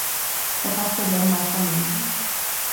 Wat hasto dêrmei fanneden?